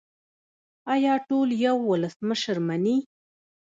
آیا ټول یو ولسمشر مني؟